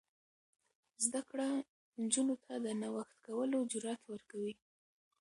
زده کړه نجونو ته د نوښت کولو جرات ورکوي.